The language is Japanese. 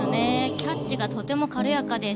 キャッチがとても軽やかです。